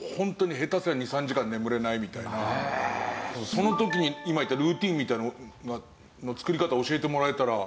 その時に今言ったルーティンみたいなのの作り方教えてもらえたら。